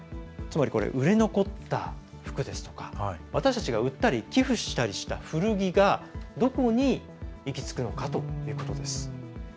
つまり、売れ残った服ですとか私たちが売ったり寄付したりした古着がどこに行き着くのかということです。